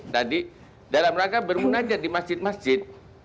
tadi dalam rangka bermunajat di masjid masjid